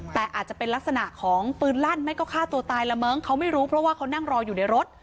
แต่อาจจะเป็นลักษณะของปืนลั่นไม่ก็ฆ่าตัวตายละมั้งเขาไม่รู้เพราะว่าเขานั่งรออยู่ในรถ